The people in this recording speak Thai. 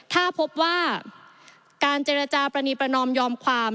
ถ้าพบว่าการเจรจาปรณีประนอมยอมความ